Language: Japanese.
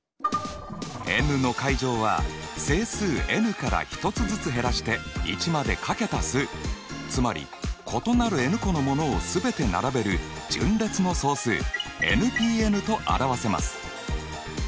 ｎ！は整数ｎから１つずつ減らして１まで掛けた数つまり異なるｎ個のものを全て並べる順列の総数ｎＰｎと表せます。